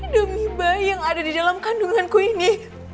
demi bayi yang ada di dalam kandunganku ini